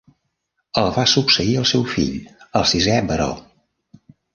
El va succeir el seu fill, el sisè baró.